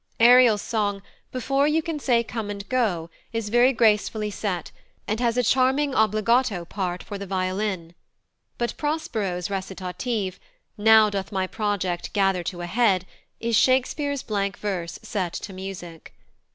Ariel's song, "Before you can say come and go," is very gracefully set, and has a charming obbligato part for the violin; but Prospero's recitative, "Now doth my project gather to a head," is Shakespeare's blank verse set to music.